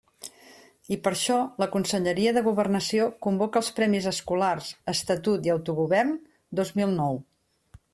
I, per això, la Conselleria de Governació convoca els premis escolars Estatut i Autogovern dos mil nou.